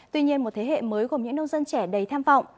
tuy nhiên một thế hệ mới gồm những nông dân trẻ đầy tham vọng